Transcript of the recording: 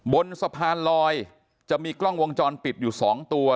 บนสะพานลอยจะมีกล้องวงจรปิดอยู่๒ตัว